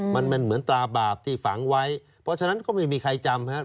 มันมันเหมือนตาบาปที่ฝังไว้เพราะฉะนั้นก็ไม่มีใครจำครับ